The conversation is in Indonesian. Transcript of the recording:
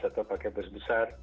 atau pakai bus besar